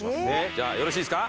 じゃあよろしいですか？